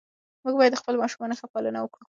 موږ باید د خپلو ماشومانو ښه پالنه وکړو.